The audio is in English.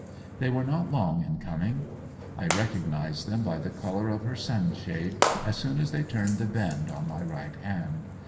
They were not long in coming. I recognized them by the colour of her sunshade as soon as they turned the bend on my right hand.